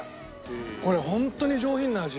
これホントに上品な味。